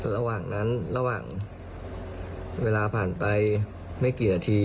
ระหว่างนั้นระหว่างเวลาผ่านไปไม่กี่นาที